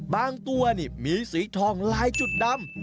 บางตัวนี่มีสีทองลายจุดดำ